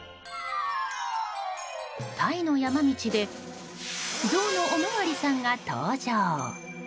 タイの山道でゾウのおまわりさんが登場！